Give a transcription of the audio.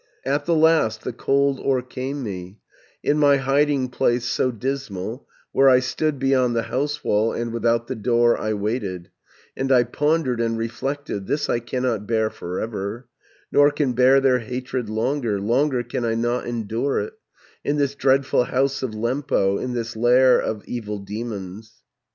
"At the last the cold o'ercame me, In my hiding place so dismal, 740 Where I stood beyond the house wall, And without the door I waited, And I pondered and reflected: 'This I cannot bear for ever, Nor can bear their hatred longer, Longer can I not endure it, In this dreadful house of Lempo, In this lair of evil demons.'